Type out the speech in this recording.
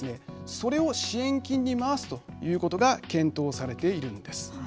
それを支援金に回すということが検討されているんです。